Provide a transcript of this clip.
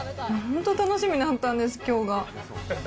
本当楽しみだったんです、今日が。